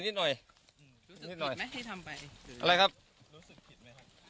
ไม่ได้แค่ทำอะไรครับให้ทำงานรู้สึก